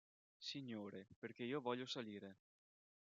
Signore, perché io voglio salire.